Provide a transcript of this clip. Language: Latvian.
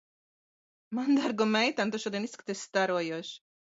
Manu dārgo meitēn, tu šodien izskaties starojoša.